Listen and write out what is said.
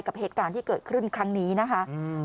กับเหตุการณ์ที่เกิดขึ้นครั้งนี้นะคะ